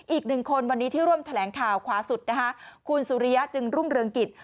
อีกหนึ่งคนวันนี้ที่ร่วมแถลงข่าวขวาสุดนะคะคุณสุริยะจึงรุ่งเรืองกิจ